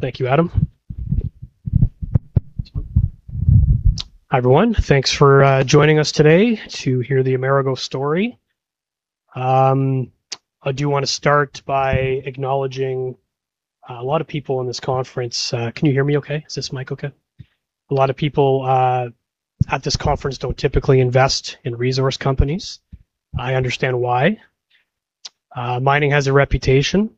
Thank you, Adam. Hi, everyone. Thanks for joining us today to hear the Amerigo story. I do want to start by acknowledging a lot of people in this conference. Can you hear me okay? Is this mic okay? A lot of people at this conference don't typically invest in resource companies. I understand why. Mining has a reputation.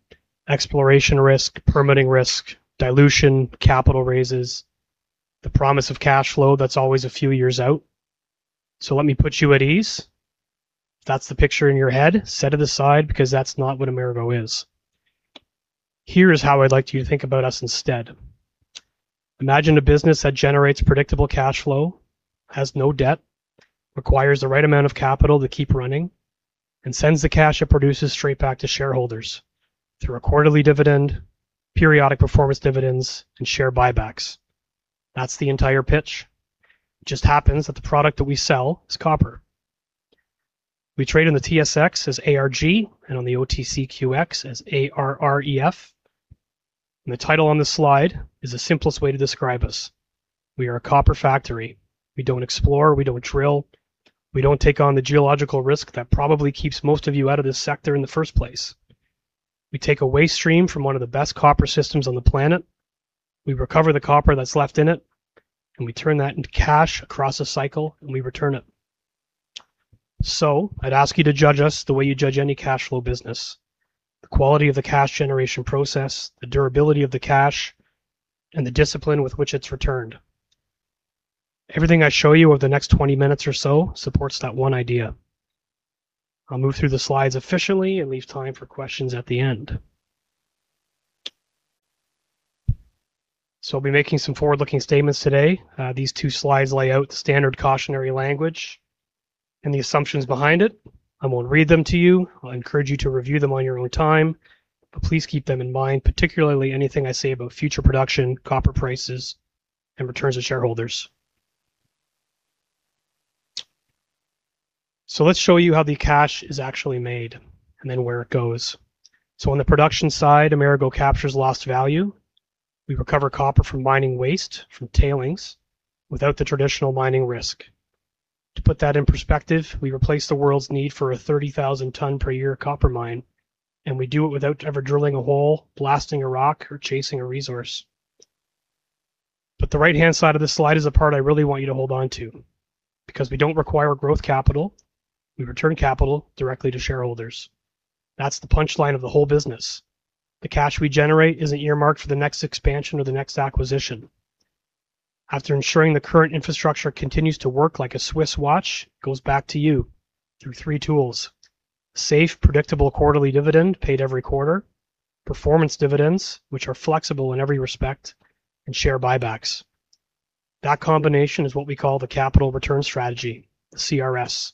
Exploration risk, permitting risk, dilution, capital raises, the promise of cash flow that's always a few years out. Let me put you at ease. If that's the picture in your head, set it aside because that's not what Amerigo is. Here is how I'd like you to think about us instead. Imagine a business that generates predictable cash flow, has no debt, requires the right amount of capital to keep running, and sends the cash it produces straight back to shareholders through a quarterly dividend, periodic performance dividends, and share buybacks. That's the entire pitch. It just happens that the product that we sell is copper. We trade on the TSX as ARG and on the OTCQX as ARREF. The title on this slide is the simplest way to describe us. We are a copper factory. We don't explore, we don't drill. We don't take on the geological risk that probably keeps most of you out of this sector in the first place. We take a waste stream from one of the best copper systems on the planet, we recover the copper that's left in it, and we turn that into cash across a cycle, and we return it. I'd ask you to judge us the way you judge any cash flow business, the quality of the cash generation process, the durability of the cash, and the discipline with which it's returned. Everything I show you over the next 20 minutes or so supports that one idea. I'll move through the slides efficiently and leave time for questions at the end. I'll be making some forward-looking statements today. These two slides lay out the standard cautionary language and the assumptions behind it. I won't read them to you. I'll encourage you to review them on your own time, but please keep them in mind, particularly anything I say about future production, copper prices, and returns to shareholders. Let's show you how the cash is actually made and then where it goes. On the production side, Amerigo captures lost value. We recover copper from mining waste, from tailings, without the traditional mining risk. To put that in perspective, we replace the world's need for a 30,000 ton per year copper mine, and we do it without ever drilling a hole, blasting a rock, or chasing a resource. The right-hand side of this slide is the part I really want you to hold on to, because we don't require growth capital, we return capital directly to shareholders. That's the punchline of the whole business. The cash we generate isn't earmarked for the next expansion or the next acquisition. After ensuring the current infrastructure continues to work like a Swiss watch, it goes back to you through three tools. Safe, predictable quarterly dividend paid every quarter, performance dividends, which are flexible in every respect, and share buybacks. That combination is what we call the capital return strategy, the CRS,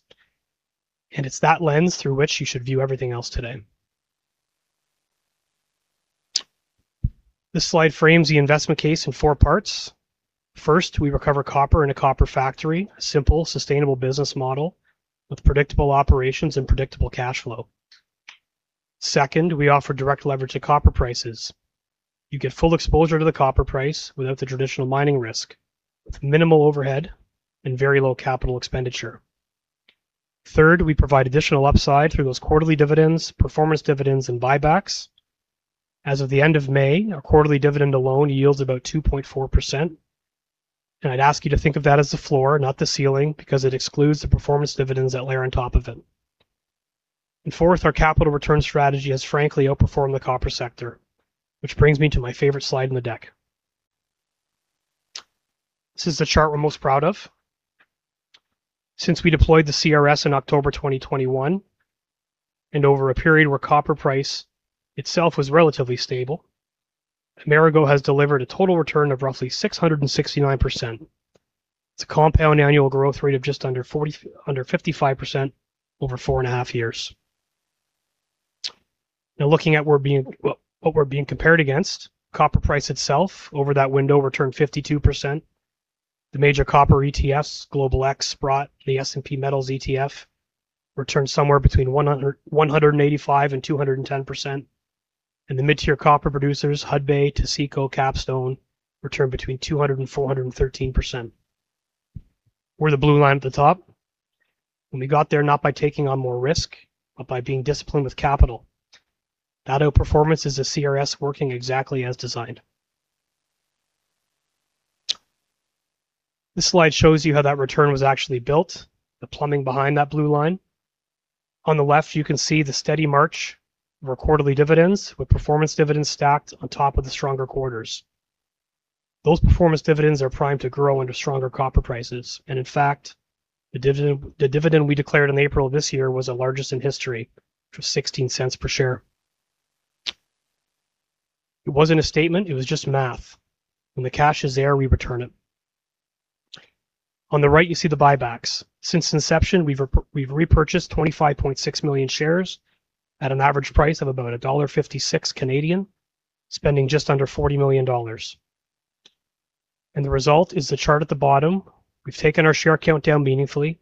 and it's that lens through which you should view everything else today. This slide frames the investment case in four parts. First, we recover copper in a copper factory, a simple, sustainable business model with predictable operations and predictable cash flow. Second, we offer direct leverage to copper prices. You get full exposure to the copper price without the traditional mining risk, with minimal overhead and very low capital expenditure. Third, we provide additional upside through those quarterly dividends, performance dividends, and buybacks. As of the end of May, our quarterly dividend alone yields about 2.4%, and I'd ask you to think of that as the floor, not the ceiling, because it excludes the performance dividends that layer on top of it. Fourth, our capital return strategy has frankly outperformed the copper sector, which brings me to my favorite slide in the deck. This is the chart we're most proud of. Since we deployed the CRS in October 2021, over a period where copper price itself was relatively stable, Amerigo has delivered a total return of roughly 669%. It's a compound annual growth rate of just under 55% over four and a half years. Looking at what we're being compared against, copper price itself over that window returned 52%. The major copper ETFs, Global X, Sprott, the S&P Metals ETF, returned somewhere between 185% and 210%. The mid-tier copper producers, Hudbay, Taseko, Capstone, returned between 200% and 413%. We're the blue line at the top, and we got there not by taking on more risk, but by being disciplined with capital. That outperformance is a CRS working exactly as designed. This slide shows you how that return was actually built, the plumbing behind that blue line. On the left, you can see the steady march of our quarterly dividends, with performance dividends stacked on top of the stronger quarters. Those performance dividends are primed to grow under stronger copper prices. In fact, the dividend we declared in April of this year was our largest in history. It was 0.16 per share. It wasn't a statement, it was just math. When the cash is there, we return it. On the right, you see the buybacks. Since inception, we've repurchased 25.6 million shares at an average price of about 1.56 Canadian dollars, spending just under 40 million dollars. The result is the chart at the bottom. We've taken our share count down meaningfully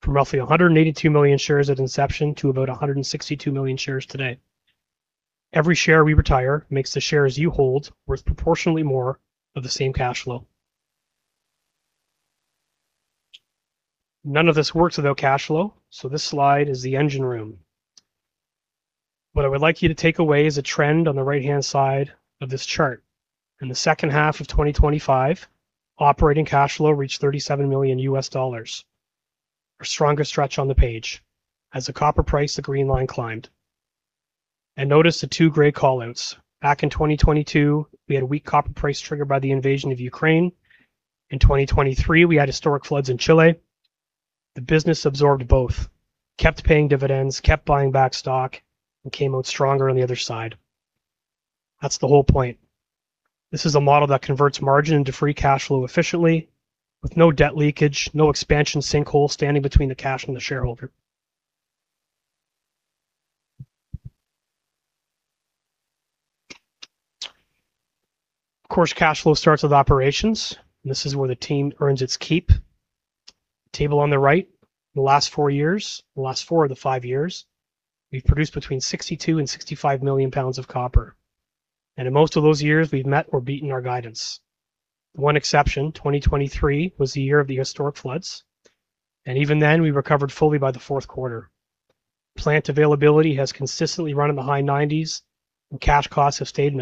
from roughly 182 million shares at inception to about 162 million shares today. Every share we retire makes the shares you hold worth proportionally more of the same cash flow. None of this works without cash flow, this slide is the engine room. What I would like you to take away is a trend on the right-hand side of this chart. In the second half of 2025, operating cash flow reached $37 million. Our strongest stretch on the page. As the copper price, the green line climbed. Notice the two gray call-outs. Back in 2022, we had a weak copper price triggered by the invasion of Ukraine. In 2023, we had historic floods in Chile. The business absorbed both, kept paying dividends, kept buying back stock, and came out stronger on the other side. That's the whole point. This is a model that converts margin into free cash flow efficiently with no debt leakage, no expansion sinkhole standing between the cash and the shareholder. Of course, cash flow starts with operations. This is where the team earns its keep. Table on the right, the last four years, the last four of the five years, we've produced between 62 million and 65 million pounds of copper. In most of those years, we've met or beaten our guidance. The one exception, 2023, was the year of the historic floods. Even then, we recovered fully by the fourth quarter. Plant availability has consistently run in the high 90s, and cash costs have stayed in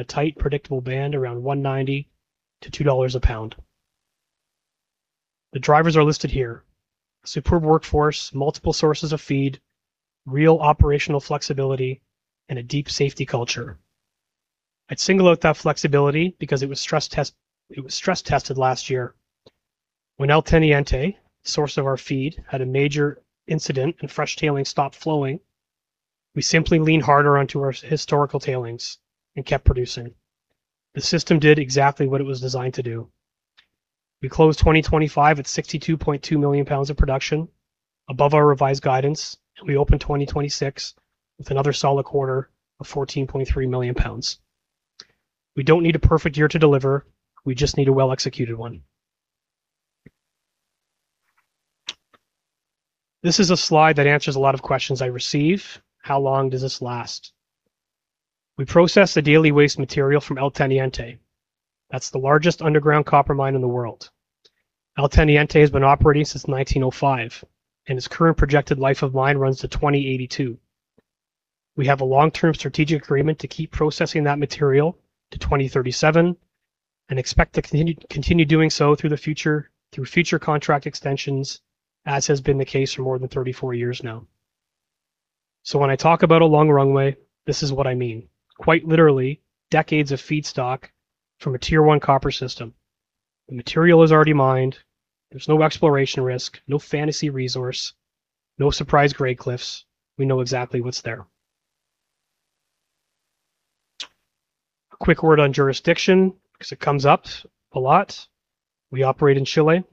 a tight, predictable band around $1.90-$2 a pound. The drivers are listed here. Superb workforce, multiple sources of feed, real operational flexibility, and a deep safety culture. I'd single out that flexibility because it was stress tested last year when El Teniente, source of our feed, had a major incident and fresh tailings stopped flowing. We simply leaned harder onto our historical tailings and kept producing. The system did exactly what it was designed to do. We closed 2025 at 62.2 million pounds of production, above our revised guidance, and we opened 2026 with another solid quarter of 14.3 million pounds. We don't need a perfect year to deliver. We just need a well-executed one. This is a slide that answers a lot of questions I receive. How long does this last? We process the daily waste material from El Teniente. That's the largest underground copper mine in the world. El Teniente has been operating since 1905, and its current projected life of mine runs to 2082. We have a long-term strategic agreement to keep processing that material to 2037 and expect to continue doing so through future contract extensions, as has been the case for more than 34 years now. When I talk about a long runway, this is what I mean. Quite literally, decades of feedstock from a tier 1 copper system. The material is already mined. There's no exploration risk, no fantasy resource, no surprise grade cliffs. We know exactly what's there. A quick word on jurisdiction, because it comes up a lot. We operate in Chile,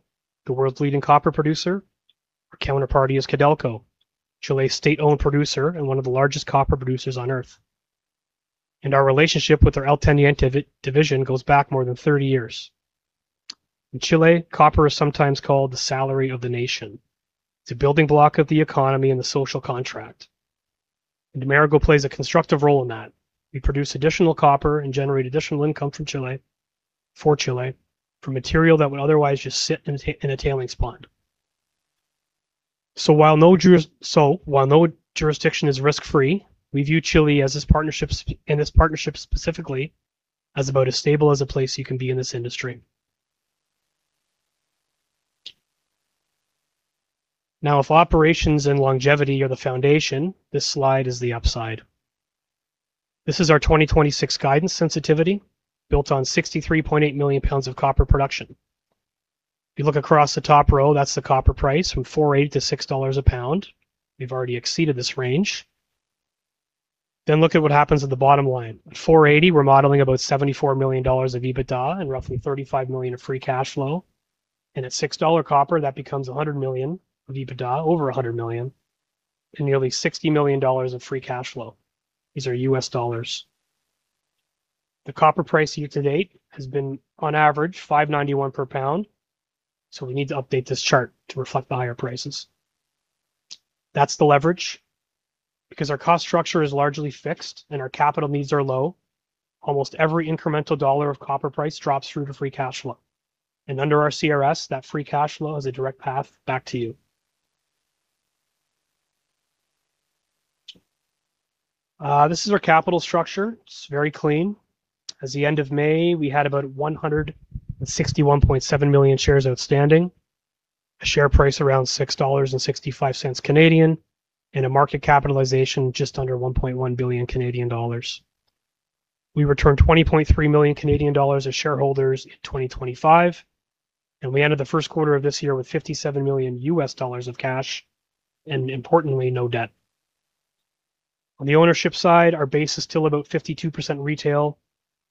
the world's leading copper producer. Our counterparty is Codelco, Chile's state-owned producer and one of the largest copper producers on Earth. Our relationship with their El Teniente division goes back more than 30 years. In Chile, copper is sometimes called the salary of the nation. It's a building block of the economy and the social contract. Amerigo plays a constructive role in that. We produce additional copper and generate additional income from Chile, for Chile, from material that would otherwise just sit in a tailings pond. While no jurisdiction is risk-free, we view Chile and this partnership specifically as about as stable as a place you can be in this industry. Now, if operations and longevity are the foundation, this slide is the upside. This is our 2026 guidance sensitivity, built on 63.8 million pounds of copper production. If you look across the top row, that's the copper price, from $4.80-$6 a pound. We've already exceeded this range. Look at what happens at the bottom line. At $4.80, we're modeling about $74 million of EBITDA and roughly $35 million of free cash flow. At $6 copper, that becomes $100 million of EBITDA, over $100 million, and nearly $60 million of free cash flow. These are US dollars. The copper price year to date has been, on average, $5.91 per pound. We need to update this chart to reflect the higher prices. That's the leverage. Because our cost structure is largely fixed and our capital needs are low, almost every incremental dollar of copper price drops through to free cash flow. Under our CRS, that free cash flow is a direct path back to you. This is our capital structure. It's very clean. As the end of May, we had about 161.7 million shares outstanding, a share price around 6.65 Canadian dollars, and a market capitalization just under 1.1 billion Canadian dollars. We returned 20.3 million Canadian dollars to shareholders in 2025, and we ended the first quarter of this year with $57 million of cash, and importantly, no debt. On the ownership side, our base is still about 52% retail,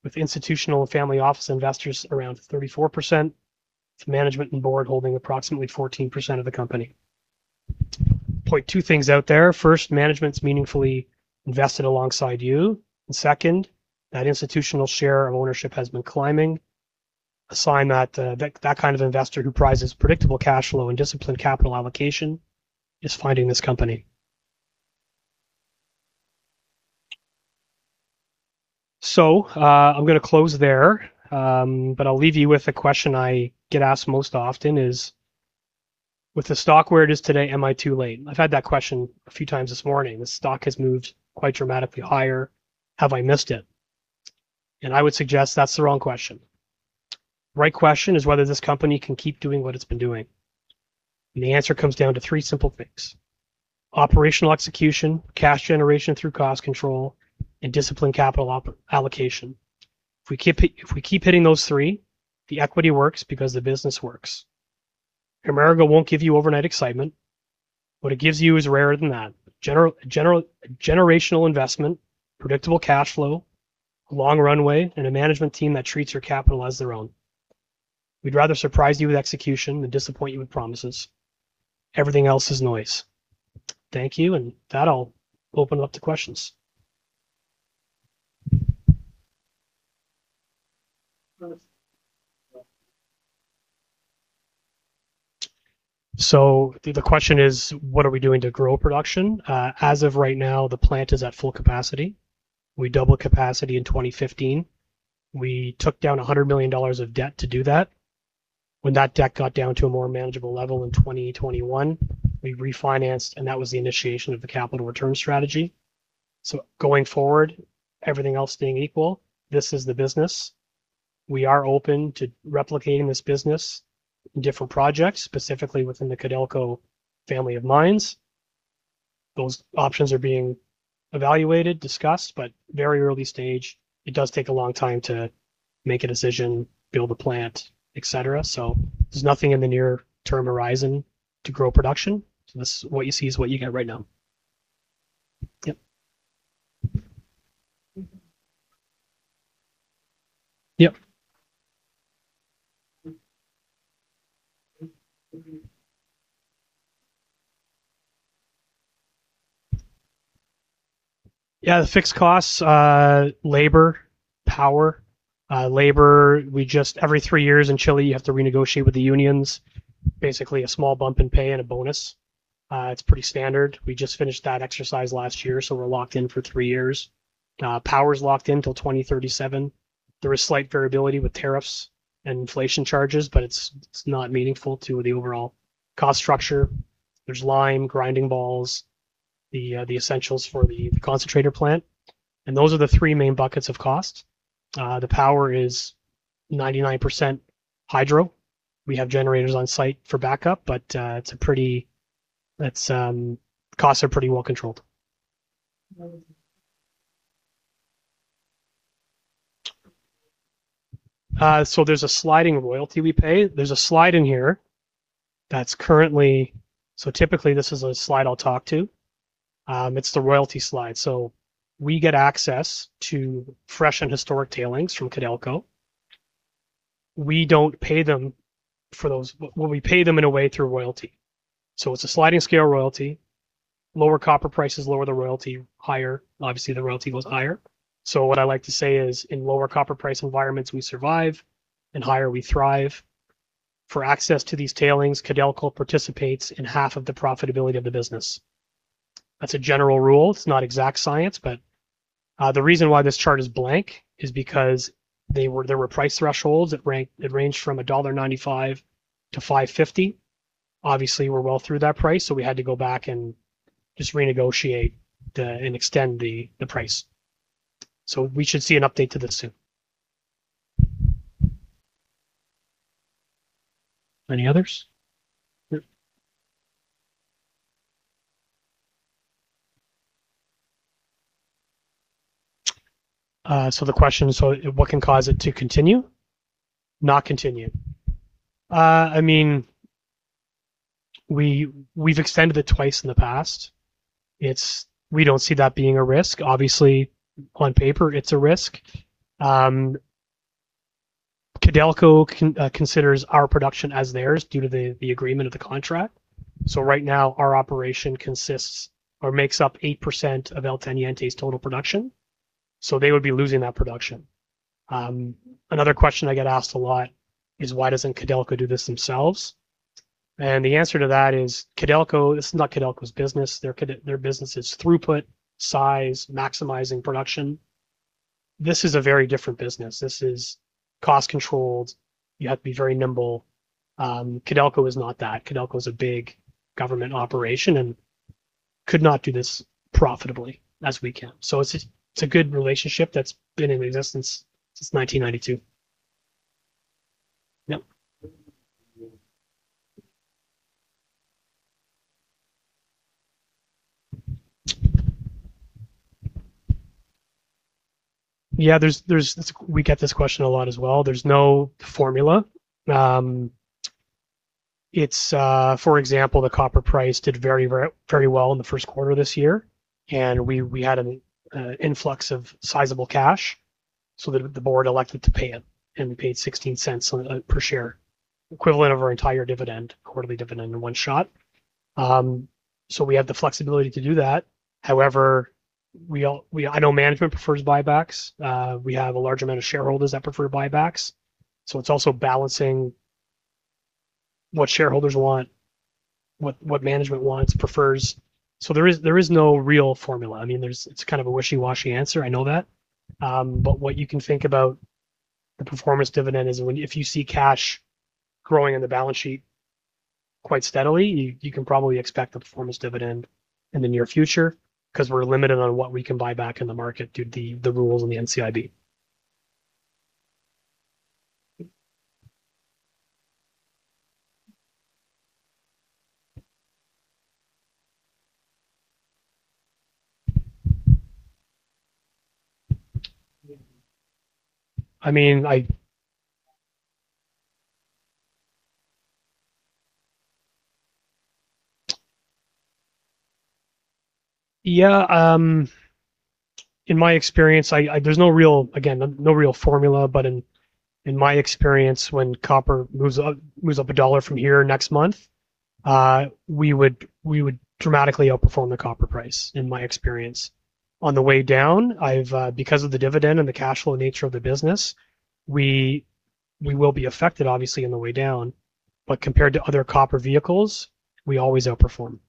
with institutional and family office investors around 34%, with management and board holding approximately 14% of the company. Point two things out there. First, management's meaningfully invested alongside you, and second, that institutional share of ownership has been climbing. A sign that that kind of investor who prizes predictable cash flow and disciplined capital allocation is finding this company. I'm going to close there, but I'll leave you with a question I get asked most often is, "With the stock where it is today, am I too late?" I've had that question a few times this morning. The stock has moved quite dramatically higher. Have I missed it? I would suggest that's the wrong question. Right question is whether this company can keep doing what it's been doing. The answer comes down to three simple things, operational execution, cash generation through cost control, and disciplined capital allocation. If we keep hitting those three, the equity works because the business works. Amerigo won't give you overnight excitement. What it gives you is rarer than that. A generational investment, predictable cash flow, a long runway, and a management team that treats your capital as their own. We'd rather surprise you with execution than disappoint you with promises. Everything else is noise. Thank you, and with that I'll open it up to questions. The question is, what are we doing to grow production? As of right now, the plant is at full capacity. We doubled capacity in 2015. We took down $100 million of debt to do that. When that debt got down to a more manageable level in 2021, we refinanced, and that was the initiation of the capital return strategy. Going forward, everything else being equal, this is the business. We are open to replicating this business in different projects, specifically within the Codelco family of mines. Those options are being evaluated, discussed, but very early stage. It does take a long time to make a decision, build a plant, et cetera. There's nothing in the near-term horizon to grow production. What you see is what you get right now. Yep. Yep. Yeah, the fixed costs, labor, power. Labor, every three years in Chile, you have to renegotiate with the unions. Basically, a small bump in pay and a bonus. It's pretty standard. We just finished that exercise last year, so we're locked in for three years. Power's locked in till 2037. There is slight variability with tariffs and inflation charges, but it's not meaningful to the overall cost structure. There's lime, grinding balls, the essentials for the concentrator plant. Those are the three main buckets of cost. The power is 99% hydro. We have generators on site for backup, but costs are pretty well-controlled. There's a sliding royalty we pay. There's a slide in here that's currently. Typically, this is a slide I'll talk to. It's the royalty slide. We get access to fresh and historic tailings from Codelco. We don't pay them for those, well, we pay them in a way through royalty. It's a sliding scale royalty. Lower copper prices, lower the royalty. Higher, obviously, the royalty goes higher. What I like to say is, in lower copper price environments, we survive, in higher, we thrive. For access to these tailings, Codelco participates in half of the profitability of the business. That's a general rule. It's not exact science, but the reason why this chart is blank is because there were price thresholds that ranged from $1.95-$5.50 Obviously, we're well through that price, we had to go back and just renegotiate and extend the price. We should see an update to this soon. Any others? Yep. The question is, what can cause it to continue? Not continue. We've extended it twice in the past. We don't see that being a risk. Obviously, on paper it's a risk. Codelco considers our production as theirs due to the agreement of the contract. Right now, our operation consists or makes up 8% of El Teniente's total production, so they would be losing that production. Another question I get asked a lot is, why doesn't Codelco do this themselves? The answer to that is, this is not Codelco's business. Their business is throughput, size, maximizing production. This is a very different business. This is cost-controlled. You have to be very nimble. Codelco is not that. Codelco is a big government operation and could not do this profitably as we can. It's a good relationship that's been in existence since 1992. Yep. Yeah, we get this question a lot as well. There's no formula. For example, the copper price did very well in the first quarter of this year, and we had an influx of sizable cash. The board elected to pay it, and we paid 0.16 per share, equivalent of our entire quarterly dividend in one shot. We have the flexibility to do that. However, I know management prefers buybacks. We have a large amount of shareholders that prefer buybacks, it's also balancing what shareholders want, what management wants, prefers. There is no real formula. It's a wishy-washy answer, I know that. What you can think about the performance dividend is if you see cash growing on the balance sheet quite steadily, you can probably expect the performance dividend in the near future, because we're limited on what we can buy back in the market due to the rules and the NCIB. Yeah. In my experience, again, there's no real formula, but in my experience, when copper moves up CAD 1 from here next month, we would dramatically outperform the copper price, in my experience. On the way down, because of the dividend and the cash flow nature of the business, we will be affected, obviously, on the way down, but compared to other copper vehicles, we always outperform.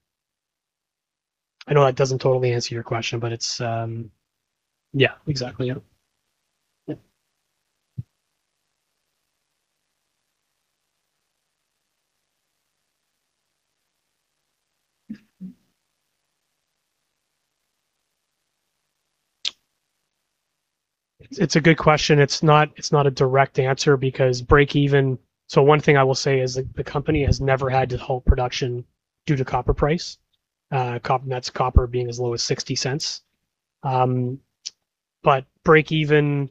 I know that doesn't totally answer your question. Yeah, exactly. Yeah. It's a good question. It's not a direct answer because one thing I will say is the company has never had to halt production due to copper price. That's copper being as low as $0.60. Break even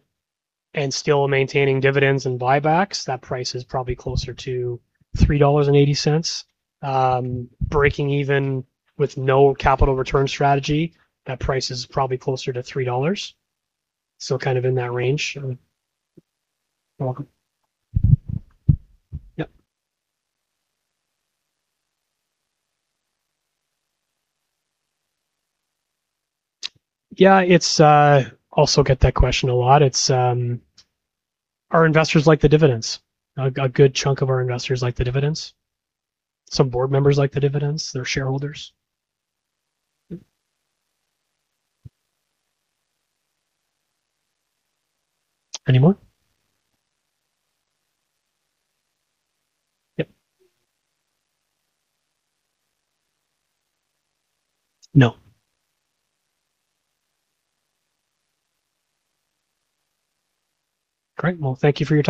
and still maintaining dividends and buybacks, that price is probably closer to $3.80. Breaking even with no capital return strategy, that price is probably closer to $3. In that range. You're welcome. Yep. Yeah. Also get that question a lot. Our investors like the dividends. A good chunk of our investors like the dividends. Some board members like the dividends. They're shareholders. Any more? Yep. No. Great. Well, thank you for your-